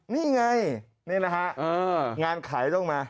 นี่ไงนี่นะฮะงานขายลงมา